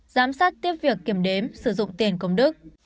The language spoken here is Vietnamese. giám sát tiếp việc kiểm đếm sử dụng tiền công đức